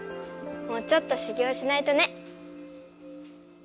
もうちょっとしゅぎょうしないとね！